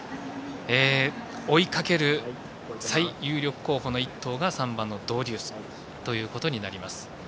追いかける最有力候補の一頭が３番のドウデュースということになります。